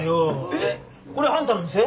えっこれあんたの店？